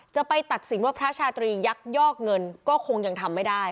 จะไปตัดสินว่าพระชาตรียักยอกเงินก็คงยังทำไม่ได้